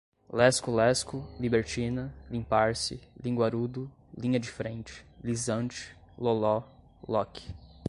lesco lesco, libertina, limpar-se, linguarudo, linha de frente, lisante, loló, loque